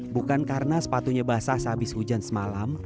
bukan karena sepatunya basah sehabis hujan semalam